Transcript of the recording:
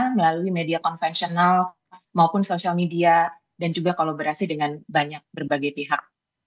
melalui media konvensional maupun sosial media dan juga kolaborasi dengan banyak berbagai pihak